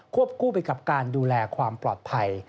คู่ไปกับการดูแลความปลอดภัย